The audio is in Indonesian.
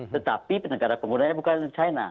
tetapi negara penggunanya bukan china